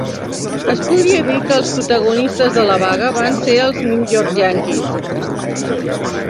Es podria dir que els protagonistes de la vaga van ser els New York Yankees.